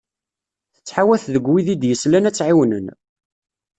Tettḥawat deg wid i d-yeslan ad tt-ɛiwnen.